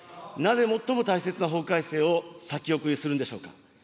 なぜ最も大切な法改正を先送りするんでしょうか。